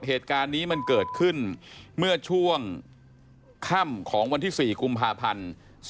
เหตุการณ์นี้มันเกิดขึ้นเมื่อช่วงค่ำของวันที่๔กุมภาพันธ์